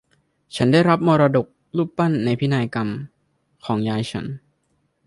ฉันได้รับมรดกรูปปั้นในพินัยกรรมของยายของฉัน